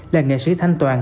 là nghệ sĩ thanh toàn